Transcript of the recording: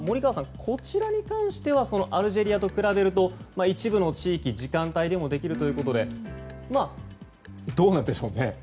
こちらに関してはアルジェリアと比べると一部の地域、時間帯でもできるということでどうなんでしょうね。